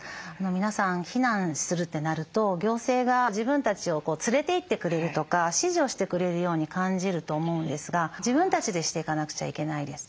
皆さん避難するってなると行政が自分たちを連れていってくれるとか指示をしてくれるように感じると思うんですが自分たちでしていかなくちゃいけないです。